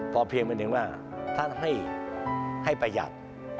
พอเพียงเป็นอย่างนึงว่าถ้าให้ประหยัด